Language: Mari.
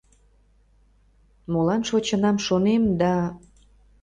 Молан шочынам, шонем да